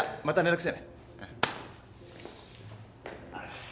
またね。